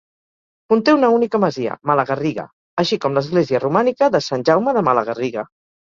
Conté una única masia, Malagarriga, així com l'església romànica de Sant Jaume de Malagarriga.